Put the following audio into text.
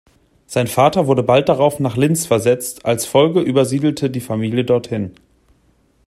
Sein Vater wurde bald darauf nach Linz versetzt, als Folge übersiedelte die Familie dorthin.